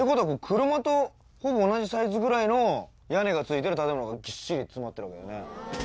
車とほぼ同じサイズぐらいの屋根がついてる建物がぎっしり詰まってるわけだよね